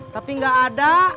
tapi gak ada